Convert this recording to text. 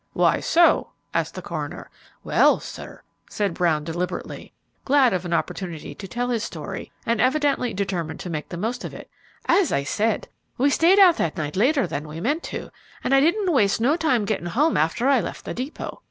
"Why so?" asked the coroner. "Well, sir," said Brown, deliberately, glad of an opportunity to tell his story and evidently determined to make the most of it, "as I said, we stayed out that night later than we meant to, and I didn't waste no time getting home after I left the depot.